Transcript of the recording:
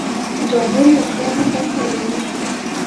جاهل له خره هم بدتر وي.